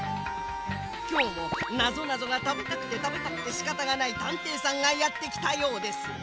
きょうもなぞなぞがたべたくてたべたくてしかたがないたんていさんがやってきたようです。